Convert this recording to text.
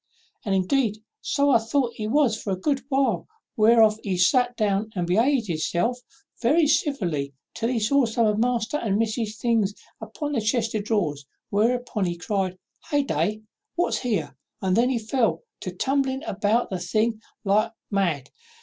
And, indeed, so I thought he was for a good while, whereof he sat down and behaved himself very civilly, till he saw some of master's and miss's things upon the chest of drawers; whereof he cried, 'Hey day! what's here?' and then he fell to tumbling about the things like any mad.